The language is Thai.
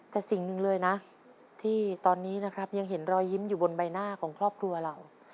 แต่สิ่งหนึ่งเลยนะที่ตอนนี้นะครับยังเห็นรอยยิ้มอยู่บนใบหน้าของครอบครัวเรา